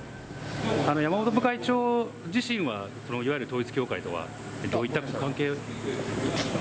山本会長自身は、いわゆる統一教会とはどういったご関係？